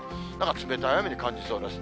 冷たい雨に感じそうです。